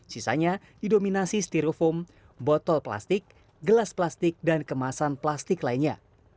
sisanya didominasi sterofoam botol plastik gelas plastik dan kemasan plastik lainnya